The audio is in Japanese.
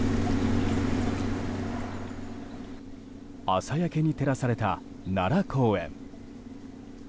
朝焼けに照らされた奈良公園。